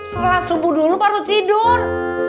sholat subuh dulu baru tidur